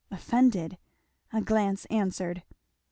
Offended! A glance answered.